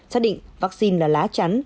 xác định vaccine là lá chắn